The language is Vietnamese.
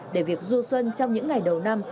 để việc du xuân trong những ngày đầu năm